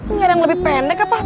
nggak ada yang lebih pendek apa